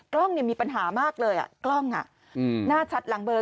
กล้องมีปัญหามากเลยกล้องหน้าชัดหลังเบอร์